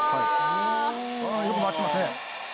よく回ってますね。